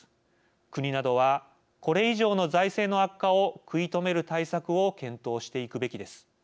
国などはこれ以上の財政の悪化を食い止める対策を検討していくべきです。